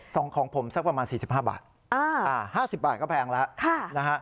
ส่องของผมสักประมาณ๔๕บาท๕๐บาทก็แพงแล้ว